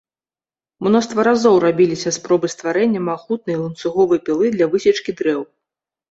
Мноства разоў рабіліся спробы стварэння магутнай ланцуговай пілы для высечкі дрэў.